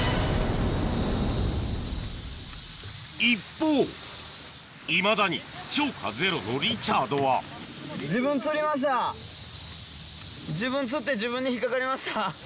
一方いまだに釣果ゼロのリチャードは自分釣って自分に引っかかりました。